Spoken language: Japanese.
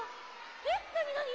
えっなになに？